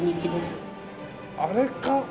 あれか？